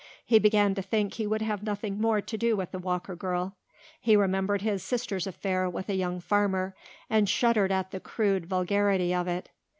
He began to think he would have nothing more to do with the Walker girl. He remembered his sister's affair with a young farmer and shuddered at the crude vulgarity of it.